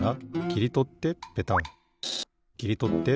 きりとってペタン。